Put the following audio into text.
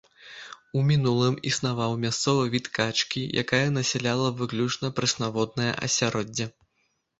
У мінулым існаваў мясцовы від качкі, якая насяляла выключна прэснаводнае асяроддзе.